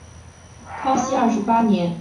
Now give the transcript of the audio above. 康熙二十八年升贵州黔西州知州。